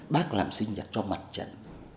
bác làm sinh nhật cho mặt trận